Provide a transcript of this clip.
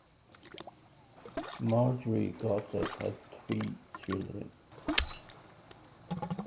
Marjory Gosset had three children.